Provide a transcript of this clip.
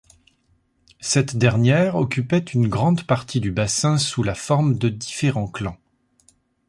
Cette dernière occupait une grande partie du bassin sous la forme de différents clans.